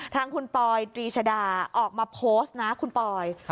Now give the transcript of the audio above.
ทางคุณปอยตรีชดาออกมาโพสต์นะคุณปอย